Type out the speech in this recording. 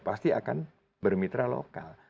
pasti akan bermitra lokal